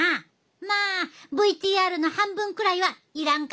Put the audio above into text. まあＶＴＲの半分くらいはいらんかったけどな！